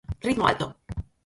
Ritmo alto.